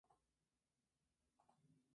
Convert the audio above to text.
Inglaterra ganó el campeonato esa temporada.